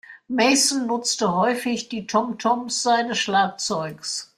Mason nutzte häufig die Tomtoms seines Schlagzeugs.